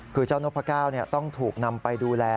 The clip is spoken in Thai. คือเจ้านกพระเก้าต้องถูกนำไปดูแล